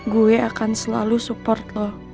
gue akan selalu support lo